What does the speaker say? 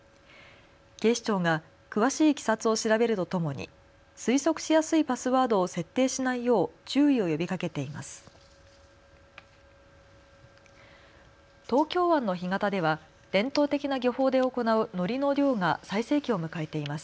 警視庁が詳しいいきさつを調べるとともに推測しやすいパスワードを設定しないよう注意を呼びかけています。